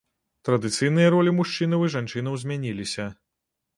Традыцыйныя ролі мужчынаў і жанчынаў змяніліся.